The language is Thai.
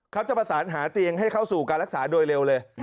เขาจะประสานหาเตียงให้เข้าสู่การรักษาโดยเร็วเลย